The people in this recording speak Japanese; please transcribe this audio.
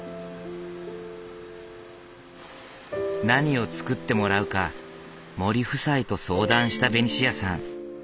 何を作ってもらうか森夫妻と相談したベニシアさん。